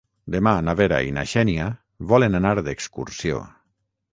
Demà na Vera i na Xènia volen anar d'excursió.